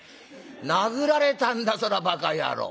「殴られたんだそりゃバカ野郎。